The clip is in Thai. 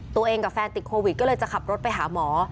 ตัวเองกับแฟนติดโควิดก็เลยจะขับรถไปหาหมอ